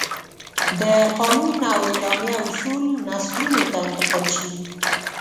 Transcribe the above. د قانون او اعلامیه اصول نسلونو ته انتقال شوي.